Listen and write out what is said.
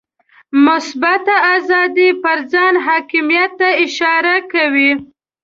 مثبته آزادي پر ځان حاکمیت ته اشاره کوي.